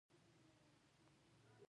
هغوی په محبوب باغ کې پر بل باندې ژمن شول.